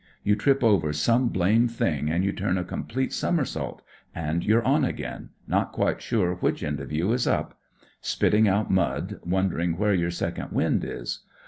You trip over some blame thing and you turn a complete somersault, and you're on again, not quite sure which end of you is up ; spitting out mud, wonder ing where your second wind is.